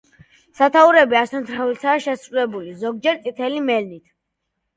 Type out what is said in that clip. სათაურები ასომთავრულითაა შესრულებული, ზოგჯერ წითელი მელნით.